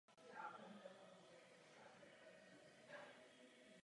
Ekonomika obce je zčásti založena na zemědělství.